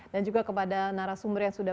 dan juga kepada narasumber yang sudah